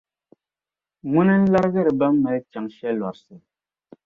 Ŋuna larigiri bɛn mali kpiɔŋ shelɔrisi.